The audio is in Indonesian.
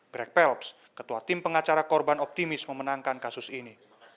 greg pelps ketua tim pengacara korban optimis memenangkan kasus ini